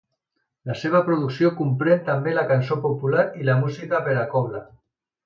La seva producció comprèn també la cançó popular i la música per a cobla.